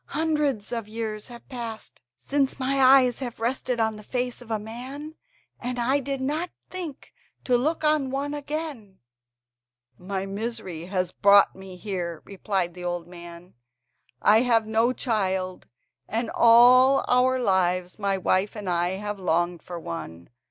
Hundreds of years have passed since my eyes have rested on the face of a man, and I did not think to look on one again.". "My misery has brought me here," replied the old man; "I have no child, and all our lives my wife and I have longed for one.